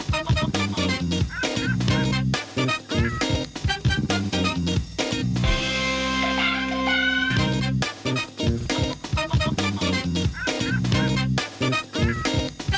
โปรดติดตามตอนต่อไป